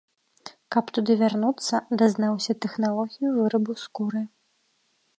Каб туды вярнуцца, дазнаўся тэхналогію вырабу скуры.